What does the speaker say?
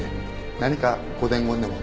何かご伝言でも？